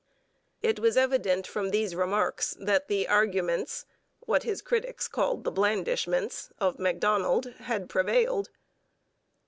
It was evident from these remarks that the arguments what his critics called the blandishments of Macdonald had prevailed.